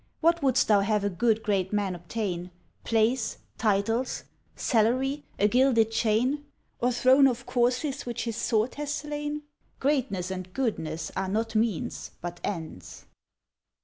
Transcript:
What wouldst thou have a good great man obtain? Place titles salary a gilded chain Or throne of corses which his sword has slain? Greatness and goodness are not means, but ends!